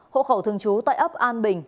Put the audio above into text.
hộ khẩu thường trú tại ấp an bình